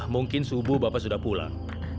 mungkin subuh bapak sudah pulang